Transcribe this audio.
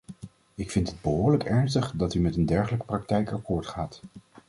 Ik vind het behoorlijk ernstig dat u met een dergelijke praktijk akkoord gaat.